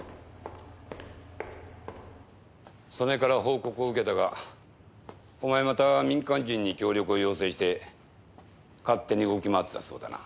曽根から報告を受けたがお前また民間人に協力を要請して勝手に動き回ってたそうだな。